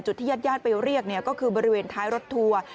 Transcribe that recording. ที่ญาติญาติไปเรียกก็คือบริเวณท้ายรถทัวร์